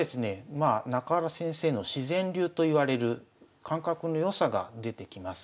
まあ中原先生の自然流といわれる感覚の良さが出てきます。